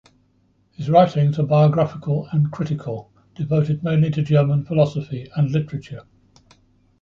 His writings are biographical and critical, devoted mainly to German philosophy and literature.